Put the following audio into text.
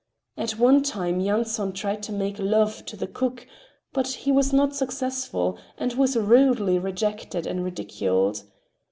At one time Yanson tried to make love to the cook, but he was not successful, and was rudely rejected and ridiculed.